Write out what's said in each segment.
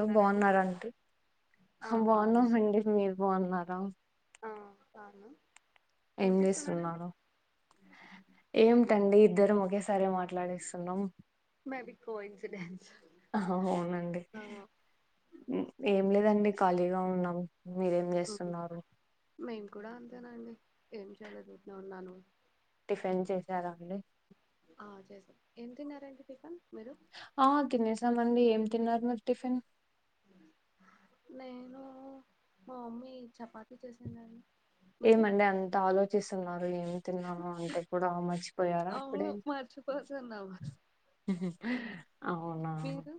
ఉన్నారా అండి బాగున్నారండి ఆ బాగున్నా ఆ బాగున్నాం ఏం చేస్తున్నారు ఏమిటండి ఇద్దరం ఒకే సరే మాట్లాడిస్తున్నాం అది కోన్సిడెన్స్ అవునండి ఏం లేదండి ఖాళీగా ఉన్నాం మీరేం చేస్తున్నారు మేము కూడా అంతేనండి ఏం చేయలేదు ఇంట్లో ఉన్నాను టిఫిన్ చేసారా అండి ఆ చేసా ఏం తిన్నారండి టిఫిన్ మీరు ఆ తినేసామండి ఏం తిన్నారు మీరి టిఫిన్ లేదు మా మమ్మీ చపాతీ చేసానుని ఏమండి అంత ఆలోచిస్తున్నారు ఏం తిన్నారూ అంటే కూడా మర్చిపోయారా అప్పుడే మర్చిపోవద్దు అవునా మీరు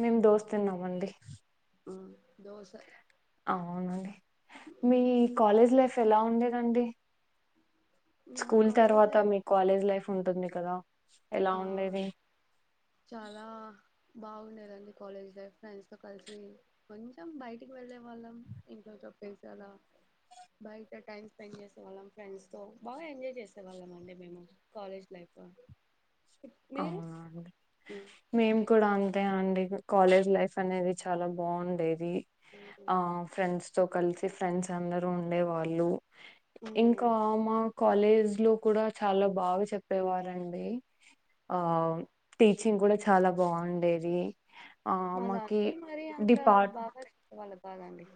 మేము దోస తినమండి దోశ అవునండి మీ కాలేజ్ లైఫ్ ఎలా ఉండేదండి నా స్కూల్ కాలేజ్ తర్వాత లైఫ్ మీ కాలేజ్ లైఫ్ ఉంటుంది కదా ఎలా ఆ ఉండేది చాలా బాగుండేదండి కాలేజ్ లైఫ్ ఫ్రెండ్స్ తో కలిసి కొంచెం బయటికి వెళ్ళే వాళ్ళం ఇంట్లో పైసాలా [inaudible] బయట టైమ్ స్పెండ్ చేసేవాళ్ళం ఫ్రెండ్స్ తో బాగా ఎంజాయ్ చేసేవాళ్ళం అండి మేము కాలేజ్ లైఫ్ మీరు అవునండి. మేము కూడా అం అంతే అండి. కాలేజ్ లైఫ్ అనేది చాలా బాగుండేది. ఆ ఫ్రెండ్స్ తో కలిసి ఫ్రెండ్స్ అందరుూ ఉండే వాళ్ళు. మ్మ్. ఇంకా మాకు కాలేజీ లో కూడా చాలా బాగా చెప్పేవారండి. ఆ టీచింగ్ కూడా చాలా బాగుండేది. ఆ మా మాకి దాంట్లో మరీ అంత డిపార్ట్ బాగా చెప్పే వాళ్ళు కాదండి.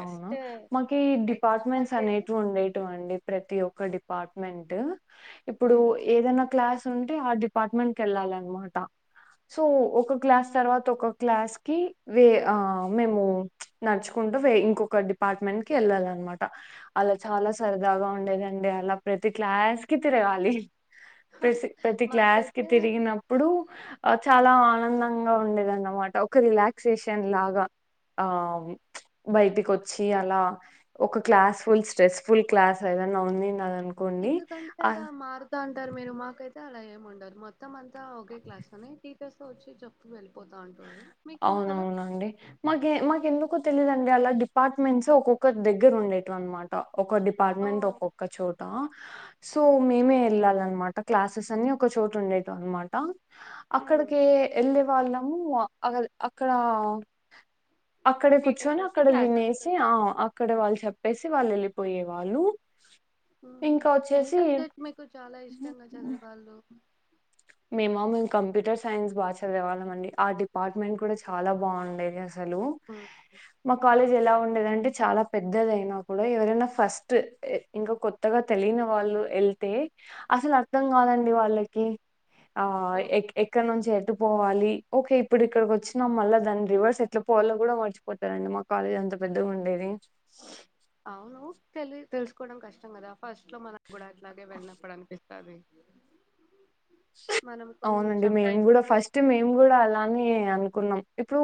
అవునా, మాకి ఎగ్జామ్ డిపార్ట్మెంట్స్ వరకే అనేటివి ఉండేటివి అండి. ప్రతి ఒక్క డిపా డిపార్ట్మెంట్. ఇప్పుడు మ్మ్. ఏదైనా క్లాస్ ఉంటే ఆ డిపార్ట్మెంట్ క వెళ్ళాల అన్నమాట. సో ఒక క్లాస్ తర్వాత, ఒక క్లాస్ కి మేము నడుచుకుంటా ఇంకొక డిపార్ట్మెంట్ కి వెళ్ళాలి అన్నమాట. అలా చాలా సరదాగా ఉండేదండి అలా ప్రతి క్లాస్ కి తిరగాలి. ప్రసి ప్రతి క్లాస్ కి మాకైతే తిరిగినప్పుడు, ఆ చాలా ఆనందంగా ఉండేదన్నమాట. ఒక రిలాక్సేషన్ లాగా ఆ బయటికి వచ్చి, అలా ఒక class full stress full class ఏదన్నా ఉన్నినాది అనుకో ఎందుకంటే, అలా మారుతాంటారు మీరు. మాకైతే అలా ఏమి ఉండదు. మొత్తం అంతా అంతా ఓకే క్లాస్ టీచర్స్ వచ్చి చెప్పుకొని వెళ్ళేవాళ్ళు. అవునవునండి. మాకు మాకెందుకో తెలీదండి, అలా డిపార్ట్మెంట్స్ ఒక్కొక్క దగ్గర ఉండేటవి అన్నమాట. ఒక డిపార్ట్మెంట్ ఒక్కొక్క చోట సో మేమే వెళ్ళాలిన్నమాట. క్లాసెస్ అని ఒక చోటు ఉండేటవి అన్నమాట. అక్కడిక వెళ్ళే వాళ్ళం. అ అక్కడ అక్కడే టీచర్స్ కూర్చొని వచ్చి అక్కడ క్లాసెస్ వినేసి, ఆ అక్కడ వాళ్ళు చెప్ప చెప్పేసివాళ్ళు వెళ్ళిపోయే వాళ్ళు. ఇంకా ఏ వచ్చేసి సబ్జెక్ట్ మీకు చాలా ఇష్టంగా చదివే వాళ్ళు. మేమా మేము కంప్యూటర్ సైన్స్ బాగా చదివేవాళ్ళమండి, ఆ డిపార్ట్మెంట్ కూడా చాలా బాగుండేది. అసలు హలో! హ్మ్ మా కాలేజి ఎలా ఉంది? ఉండేదంటే చాలా పెద్దదయినా కూడా, ఎవరైనా ఫస్ట్, ఇంకా కొత్తగా తెలియని వాళ్ళు వెళ్తే అసలు అర్థం కాదండి వాళ్ళకి. ఆ ఎక్కడ నుంచి పోవాలి, ఓకే. ఇప్పుడు ఇక్కడికి వచ్చినాం మళ్ళా దాని రివర్స్ ఎట్లా పోవాలని కూడా మర్చిపోతారండి మా కాలేజ్. ఎంత పెద్దగా ఉండేది. అవును, తెలి తెలుసుకోవడం కష్టం కదా, ఫస్ట్ లో మనకు కూడా అట్లాగే వెళ్ళినప్పుడు అనిపిస్తుంది. అ అవునండి, మేము కూడా స్పెండ్ ఫస్ట్ చేసి మేము కూడా అలానే అనుకున్నాం. ఇప్పుడు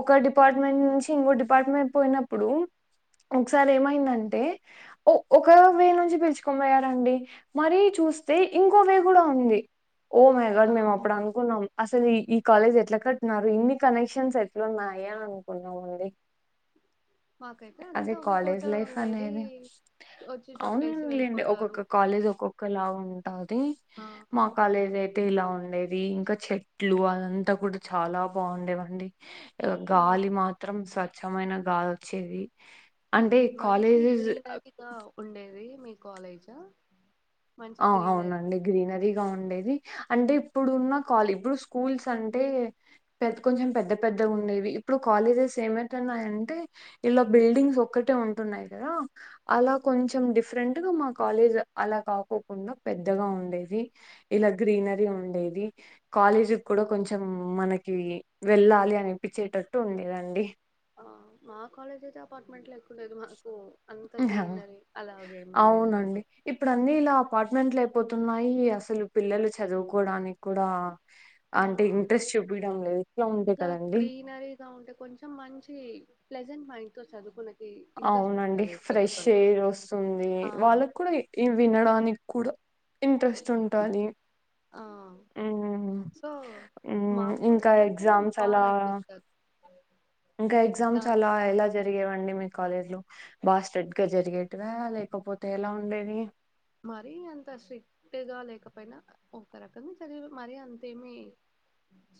ఒక డిపార్ట్మెంట్ నుంచి ఇంకో డిపార్ట్మెంట్ పోయినప్పుడు ఒకసారి ఏమైందంటే ఒక వే నుంచి పిలుచుకొని పోయారంండి. మరి చూ చూస్తే ఇంకోవే కూడా ఉంది. ఓ మై గాడ్ ఆ మేము అప్పుడు అనుకున్నాం అసలు ఈ కాలేజ్ ఎట్లా కట్టిన్నారు. ఇన్ని కనెక్షన్స్ ఎట్లా ఉన్నాయి అని అనుకున్నామండి. మాకైతే అంతా ఒకే చోట ఉండేది. వచ్చి చెప్పేసి అవునులేండి, వెళ్ళిపోతారు ఒక్కొక్క కాలేజ్ ఒక్కొక్కలా ఉంటది ఆ మా కాలేజ్ అయితే ఇలా ఉండేది. ఇంకా చెట్లు అదంతా కూడా చాలా బాగుండేవండి. ఉమ్ గాలి మాత్రం స్వచ్ఛమైన గాలి వచ్చింది. మంచి గ్రీనరీగా ఉండేది మీ కాలేజ్. మంచి ఆ గ్రీనరీ అవునండి గ్రీనరీగా ఉండేది. అంటే, ఇప్పుడున్నాల ఇప్పుడు స్కూల్స్ అంటే, పెద్ద కొంచెం పెద్ద పెద్ద ఉండేవి. ఇప్పుడు కాలేజెస్ ఏమైతున్నాయంటే, ఇలా బిల్డింగ్స్ ఒక్కటే ఉంటున్నాయి కదా, అలా కొంచెం డిఫరెంట్ గా, మా కాలేజ్ అలా కాకు కుండా పెద్దగా ఉండేది. ఇలా గ్రీనరీ ఉండేది. కాలేజీ కూడా కొంచెం మనకి వెళ్ళాలి అనిపించేటట్టు ఉండేదండి. ఆ మా కాలేజ్ అయితే అపార్ట్మెంట్ ఎక్కువ లేదు మాకు అంత గ్రీనరీ అలాగేమి ఉండేది అవునండి కాదు ఇప్పుడు అన్నీ ఇలా అపార్ట్మెంట్ అయిపోతున్నాయి అసలు పిల్లలు చదువుకోవడానికి కూడా ఆ అంటే ఇంట్రెస్ట్ చూపియడం లేదు. ఉంటే ఇట్లా కదండీ. గ్రీనరీగా ఉంటే కొంచెం మంచి ప్రజెంట్ మా ఇంట్లో చదువుకునే అవునండి ఫ్రెష్ ఎయిర్ వస్తుంది ఆ వాళ్ళకు కూడా వినడానికి కూడా ఇంట్రెస్ట్ ఉంటది ఆ ఇంట్లో హ్మ్. మాకు ఇంకా ఎవరికైనా ఎగ్జామ్స్ అలా బాగా అనిపిస్తారు ఇంకా ఎగ్జామ్స్ అలా ఎలా జరిగేవండి మీకు కాలేజలు బాగా స్ట్రెట్ గా జరిగేటివా లేకపోతే ఎలా ఉండేవి మరి అంత స్టెట్ లేకపోయినా ఒక రకంగా చదివినం అంతేమి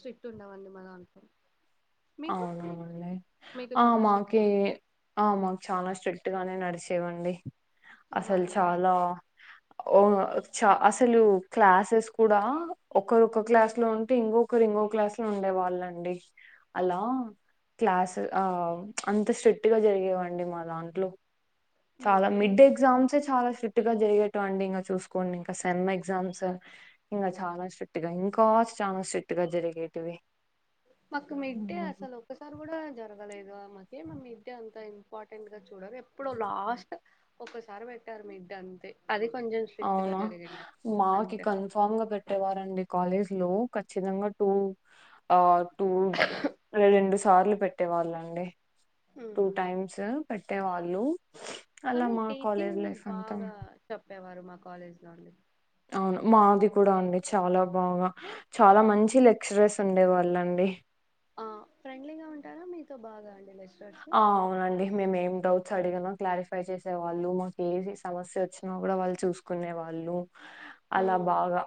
స్ట్రిక్ట్ ఉండవండి మన దాంట్లో మీకు అవునవుండి మీకు ఆ చాలా మాక స్ట్రిక్ట్ ఉంది ఆ మాకు చాలా స్ట్రిక్ట్ గానె నడిచేవడి మా అసలు దాంట్లో చాలా అసలు క్లాసెస్ కూడా ఒకరుక్క క్లాస్ లో ఉంటే ఇంకొకరు ఇంకోక క్లాస్ లో ఉండే వాళ్ళండి అండి అలా క్లాస్ ఆ అంత స్ట్రిక్ట్ గా జరిగేవండి మా దాంట్లో చాలా మావే మిడ్డ ఎగ్జామ్స్ చాలా స్ట్రెక్టుగా గా జరిగేట అండి ఇంకా చూసుకోండి ఇంకా సెమ్ ఎగ్జామ్స్ ఇంకా చాలా స్ట్రిక్ట్ గా ఇంకా ఎగ్జామ్స్ షిఫ్ట్ గా జరిగేటివి మాకు మిడ్డే అసలు ఒసారి కూడా జరగలేదు మాకే మా మిడ్ అంతా ఇంపార్టెంట్ గా చూడరు ఎప్పుడో లాస్ట్ ఒకసారి పెట్టారు మిడ్ అంతే అది కొంచెం స్ట్రిక్ట్ గా అవునా జరిగిండ మాకి అంతే కన్ఫామ్ గా పెట్టేవారండి కాలేజ్ లో ఖచ్చితంగా టూ టూ రెండు సార్లు పెట్టేవాళ్ళు అండి టూ ఉమ్. టైమ్స్ పెట్టేవాళ్ళు అలా కానీ మా కాలేజ్ టీచింగ్ లైఫ్ అంతా బాగా చెప్పేవారు మా కాలేజ్ లో అండి అవును మాది కూడా అండి చాలా బాగా చాలా మంచి లెక్చరర్స్ ఉండే వాళ్ళండి ఆ ఫ్రెండ్లీగా ఉంటారా మీతో బాగా లెక్చరర్స్ ఆ అవునండి మేమేం డౌట్స్ అడిగిన క్లారిఫై చేసే వాళ్ళు మాకు ఏ సమస్య వచ్చినా కూడా వాళ్ళు చూసుకునే వాళ్ళు అలా ఉమ్. బాగా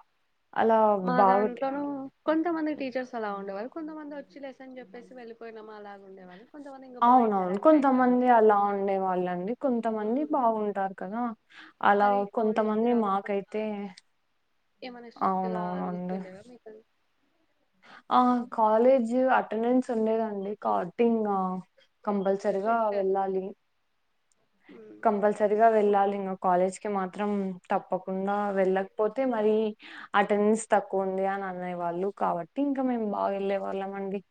అలా మా బాగా దాంట్లోనూ కొంతమంది టీచర్స్ అలా ఉండేవారు కొంతమంది లెసన్స్ చెప్పి వెళ్లిపోయిన అలాగ ఉండే వాళ్లు అవునవును కొంతమంది అలా ఉండే వాళ్ళండి కొంతమంది ఉమ్. బాగుంటారు కదా అలా మరి కాలేజ్ కొంతమంది మాకైతే ఏమైన్నా స్ట్రిక్ట్ గా అవునవునండి. అరుగుతుండేవా మీకు ఆ కాలేజ్ అటెండెన్స్ ఉండేదండి కార్టింగ్ కంపల్సరిగా స్ట్రిక్ట్ వెళ్ళాలి మ్మ్ కంపల్సరిగా వెళ్ళాలి ఇంకా కాలేజ్ కీ మాత్రం తప్పకుండా వెళ్ళకపోతే మరి అటెండెన్స్ తక్కువ ఉంది అనేవాళ్ళు కాబట్టి ఇంకా మేము బాగా వెళ్ళే వాళ్ళం అండి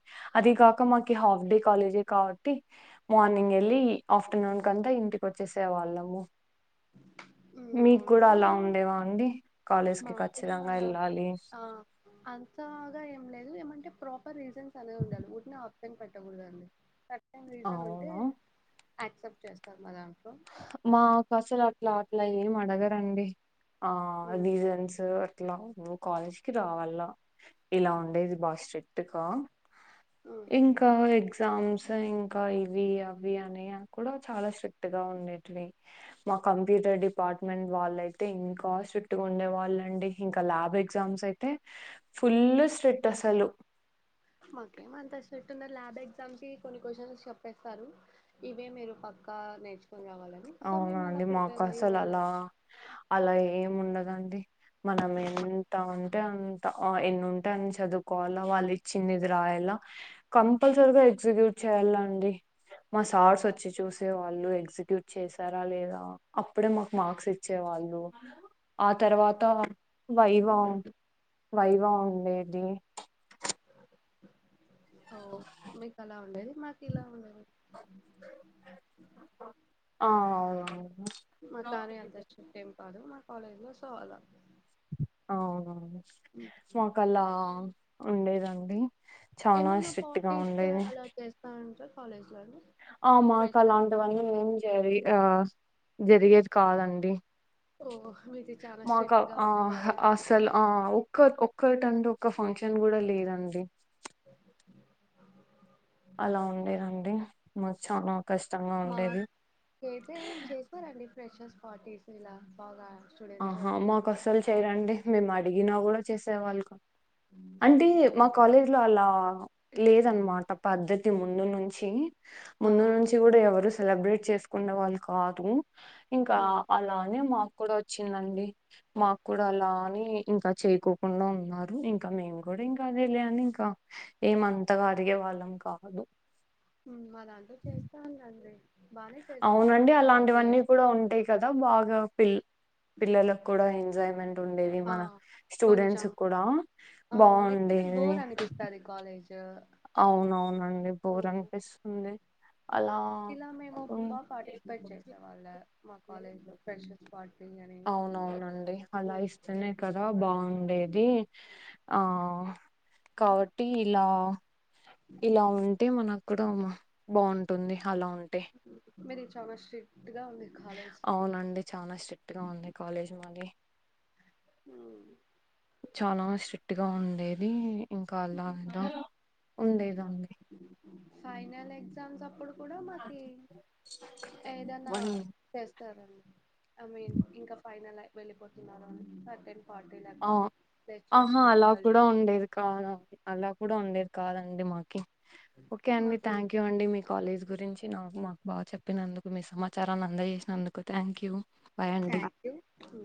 అది కాక మాకి హాఫ్ డే కాలేజే కాబట్టి మార్నింగ్ వెళ్ళి ఆఫ్టర్నూన్ కంతా ఇంటికి వచ్చేసే వాళ్ళము మీకు అవును కూడా అలా ఉండేవా అండి కాలేజ్ కీ మాకు కూడా ఖచ్చితంగా అలా వెళ్ళాలి ఆ అంతగా ఏం లేదు ఏమంటే ప్రాపర్ రీజన్స్ అనేది ఉండాలి ఊరికనే ఆప్షన్ పెట్టకూడదండి థర్డ్ టైం రీజన్ అంటే అవును యాక్సెప్ట్ చేస్తారు మా కసలు అట్లా అట్లా ఏం అడగరండి ఆ మ్మ్ రీజన్స్ అట్లా నువ్వు కాలేజ్ కి రావాలా ఇలా ఉండేది బాగా స్ట్రిక్ట్ గా మ్మ్ ఇంకా ఎగ్జామ్స్ ఇంకా ఇవి అవి అని కూడా చాలా స్ట్రి క్ట్ గా ఉండేటివి మా కంప్యూటర్ డిపార్ట్మెంట్ వాళ్ళయితే ఇంకా స్ట్రిక్ట్ గా ఉండే వాళ్ళ అండి ఇంకా ల్యాబ్ ఎగ్జామ్స్ అయితే ఫుల్ స్ట్రీట్ అసలు మాకే ఎం అంత స్రిక్ట్ ల్యాబ్ ఎగ్జామ్ కి కొన్ని క్వశ్చన్స్ చెప్పేస్తారు ఇవే మీరు పక్క ఇంకా నేర్చుకొని రావాలని సో అవునా మేము అలా అండి మాకు ప్రిపేర్ అయ్యి అసలు అలా వెళ్ళాం అలా ఏం ఉండదండి మనం ఎంత అంటే అంత ఆ ఎన్ని ఉంటే అని చదువుకోవాల వాళ్ళు ఇచ్చింది ఇది రాయల కంపల్సరిగా ఎగ్జిక్యూట్ చేయాలండి మా సార్స్ వచ్చి చూసే వాళ్ళు ఎగ్జిక్యూ చేసారా లేదా అప్పుడే మాకు మార్క్స్ ఇచ్చే వాళ్ళు ఆ తర్వాత వైవా వైవా ఉండేది ఓ మీకు అలా ఉండేది మాకు ఇలా ఉండేది ఆవు మా కానీ అంత స్ట్రిక్ట్ కాదు మా కాలేజ్ లో సో అలా అవునా మాకు అలా ఉండేదండి చాలా ఏమన్నా స్ట్రిక్ట్ గా పార్టీస్ ఉండేది అలా చేస్తా ఉంటారా కాలేజ్ లో అండి ఆ మాకు ఫ్రెషర్స్ లాంటివన్నీ ఎం జరి ఆ జరిగేది కాదండి ఓ మీది చాలా మాగా స్ట్రిక్ట్ గా ఆ ఉంది కాలేజ్ అసలు ఆ ఒక్క ఒ ఒక్కటంటే ఒక ఫంక్షన్ కూడా లేదు అండి స అలా ఉండేదండి మ చానా మాకైతే చేసారండి ఫ్రెషర్ పార్టీస్ ఇలా బాగా స్టూడెంట్స్ ఆహా మాకు ఇంట్రెస్ట్ అసలు చేయరండి మేము అడిగినా కూడా చేసే వాళ్లు అంటే ఓ మా కాలేజ్ లో అలా లేదు అన్నమాట పద్ధతి ఈ ముందు నుంచి ఆ ముందు నుంచి కూడా ఎవరు సెలబ్రేట్ చేసుకున్న వాళ్ళు కాదు ఇంకా ఉమ్, అలానే మాకు కూడా వచ్చిందండి మాకు కూడా అలాని ఇంకా చేయకోకుండా ఉన్నారు ఇంకా మేము కూడా ఇంకా అదే లే అని ఇంకా ఏమంతగా అడిగే వాళ్ళం కాదు ఉమ్, మా దాంట్లో చేస్తానండి బానే చేస్తా అవునండి ఫ్రెషర్స్ పార్టీ అలాంటివన్నీ అని. కూడా ఉంటాయి కదా బాగా పిల్ పిల్లలకు కూడా ఎంజాయ్మెంట్ ఉండేది ఆ మన స్టూడెంట్స్ కూడా బా కాకపోతే బోర్ అనిపిస్తది కాలేజ్ అవునవునండి బోర్ అనిపిస్తుంది అలా ఇలా మేము ఉన్ బాగా పాటిస్పేట్ చేసే వాళ్ళ మా కాలేజ్ లో ఫ్రెషర్స్ పార్టీ అని అవునవునండి అలా ఇస్తేనే కదా బాగుండేది అది ఆ కాబట్టి ఇలా ఇలా ఉంటే మన కూడా బాగుంటుంది అలా ఉంటే మీది చాలా స్రి అవునండి చాలా స్ట్రిక్ట్ గా ఉంది కాలేజీ మది చాలా స్ట్రిక్ట్ గా ఉండేది ఇంకా అలా ఏదో ఉంది ఇది ఉంది ఫైనల్ ఎగ్జామ్స్ అప్పుడు కూడా మాకి ఏదైనా వన్ చెస్ తార అండి మీ ఇంకా ఫైనల్ ఐ వెళ్ళిపోతున్నారు అని టెన్ ఆ ఆహా అలా కూడా కలిపి ఉండేది కాదు అలా కూడా ఉండేది కాదండి మా ఓకే ఓకే అండి మాకు థ్యాంక్ యూ అండి మీ కాలేజ్ గురించి నా మా బాగా చెప్పినందుకు మీ సమాచారాన్ని అందజేసినందుకు థ్యాంక్ యూ బాయ్ అండి థాంక్యూ టూ